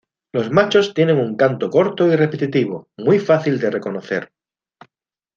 Los machos tienen un canto corto y repetitivo, muy fácil de reconocer.